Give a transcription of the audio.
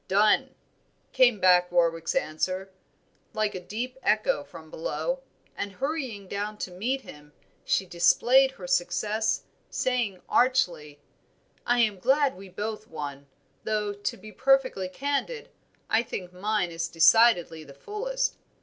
"Done!" came back Warwick's answer like a deep echo from below, and hurrying down to meet him she displayed her success, saying archly "I am glad we both won, though to be perfectly candid I think mine is decidedly the fullest."